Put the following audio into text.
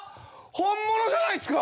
本物じゃないっすか。